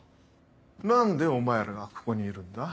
何でお前らがここにいるんだ？